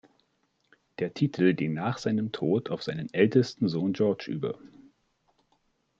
Der Titel ging nach seinem Tod auf seinen ältesten Sohn George über.